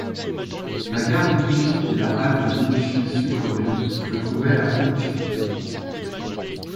La gare d'Inchy et la halte d'Inchy - Sucrerie se trouvaient à Inchy.